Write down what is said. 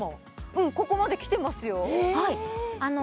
うんここまできてますよ